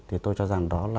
thì tôi cho rằng đó là